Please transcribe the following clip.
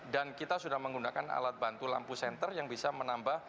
dan kita sudah menggunakan alat bantu lampu senter yang bisa menambah